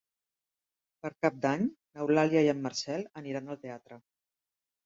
Per Cap d'Any n'Eulàlia i en Marcel aniran al teatre.